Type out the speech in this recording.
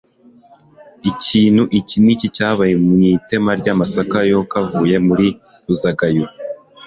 ikintu iki n'iki cyabaye mu itema ry'amasaka, koyavutse muri ruzagayura